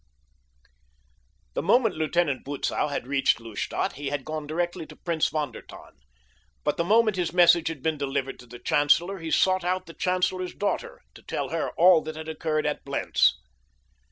The moment Lieutenant Butzow had reached Lustadt he had gone directly to Prince von der Tann; but the moment his message had been delivered to the chancellor he sought out the chancellor's daughter, to tell her all that had occurred at Blentz.